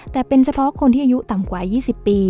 แต่เป็นเฉพาะคนที่อายุต่ำกว่า๒๐ปี